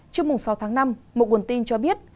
trước sáu tháng năm một nguồn tin cho biết